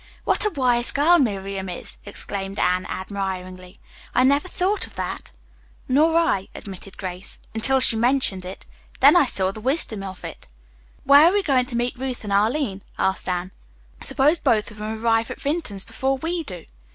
"What a wise girl Miriam is!" exclaimed Anne admiringly. "I never thought of that." "Nor I," admitted Grace, "until she mentioned it. Then I saw the wisdom of it." "Where are we to meet Ruth and Arline?" asked Anne. "Suppose both of them arrive at Vinton's before we do?"